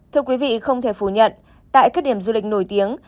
thưa quý vị không thể phủ nhận tại các điểm du lịch nổi tiếng